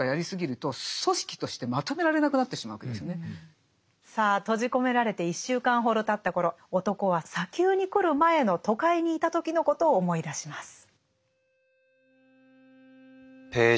そういうことをあんまりさあとじこめられて１週間ほどたった頃男は砂丘に来る前の都会にいた時のことを思い出します。